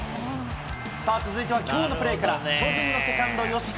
さあ、続いてはきょうのプレーから、巨人のセカンド、吉川。